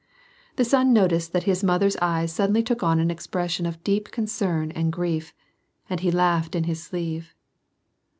The son noticed that his mothers eyes suddenly took on an expression of deep con cern and grief, and he laughed in his sleeve.